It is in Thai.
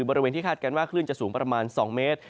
บริเวณที่คาดกันว่าขึ้นจะสูงประมาณ๒เมตร